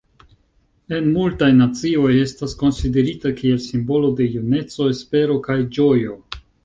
En multaj nacioj, estas konsiderita kiel simbolo de juneco, espero kaj ĝojo.